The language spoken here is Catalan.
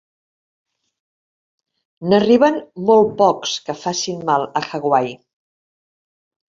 N'arriben molt pocs que facin mal, a Hawaii.